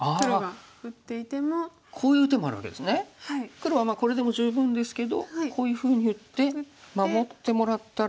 黒はこれでも十分ですけどこういうふうに打って守ってもらったら。